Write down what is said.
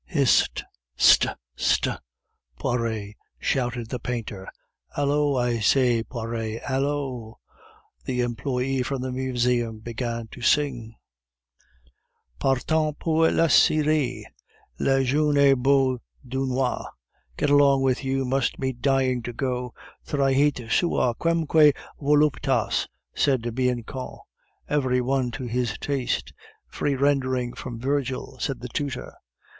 "Hist! st! st! Poiret," shouted the painter. "Hallo! I say, Poiret, hallo!" The employe from the Museum began to sing: "Partant pour la Syrie, Le jeune et beau Dunois..." "Get along with you; you must be dying to go, trahit sua quemque voluptas!" said Bianchon. "Every one to his taste free rendering from Virgil," said the tutor.